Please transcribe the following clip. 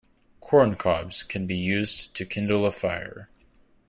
Corn cobs can be used to kindle a fire.